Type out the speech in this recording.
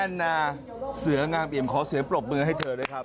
นานาเสืองามเอี่ยมขอเสือปรบมือให้เธอด้วยครับ